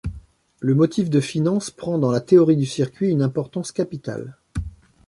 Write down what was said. Le motif de finance prend, dans la théorie du circuit, une importance capitale.